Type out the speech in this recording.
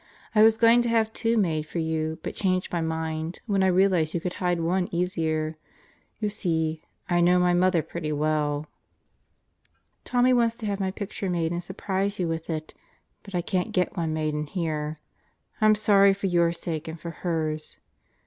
I was going to have two made for you but changed my mind when I realized you could hide one easier. You see, I know my mother pretty well. ... Tommie wanted to have my picture made and surprise you with it. But I can't get one made in here. I'm sorry for your sake and hers.